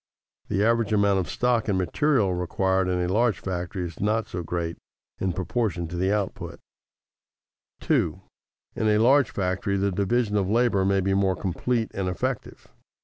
The average amount of stock and materials required in a large factory is not so great in proportion to the output. [Sidenote: Economy in labor power] 2. _In a large factory the division of labor may be more complete and effective.